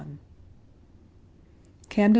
CAMDEN, S.